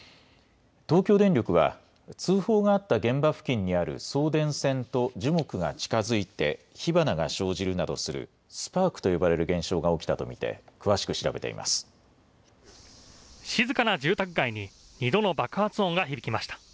東京電力は、通報があった現場付近にある送電線と樹木が近づいて火花が生じるなどするスパークと呼ばれる現象が起きたと見て、詳しく調べてい静かな住宅街に、２度の爆発音が響きました。